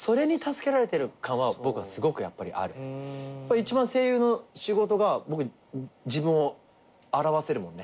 一番声優の仕事が僕自分を表せるもんね。